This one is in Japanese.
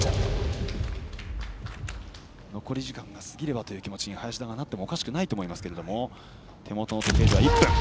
残り時間が過ぎればという気持ちに林田はなってもおかしくないと思います。